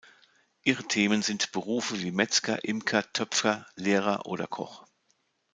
Ihre Themen sind Berufe wie Metzger, Imker, Töpfer, Lehrer oder Koch.